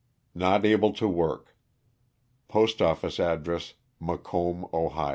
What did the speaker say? Not able to work. Postoffice address McComb, Ohio.